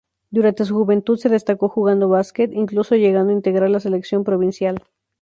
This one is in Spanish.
Durante su juventud se destacó jugando básquet, incluso llegando a integrar la selección provincial.